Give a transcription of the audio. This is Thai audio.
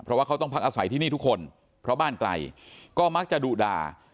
เพราะว่าเขาต้องพักอาศัยที่นี่ทุกคนเพราะบ้านไกลก็มักจะดุด่า